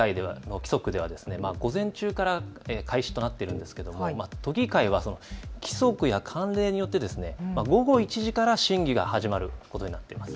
多くの県議会の規則では午前中から開始となっているんですが、都議会は規則や慣例によって午後１時から審議が始まることになっています。